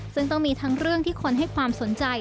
ซึ่งต้องมีทั้งเรื่องที่คนให้ความสนใจ